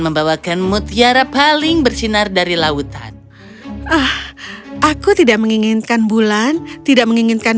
membawakan mutiara paling bersinar dari lautan ah aku tidak menginginkan bulan tidak menginginkan